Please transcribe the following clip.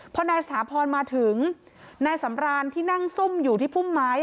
พอนายสถาพรมาถึงนายสำรานที่นั่งซุ่มอยู่ที่พุ่มไม้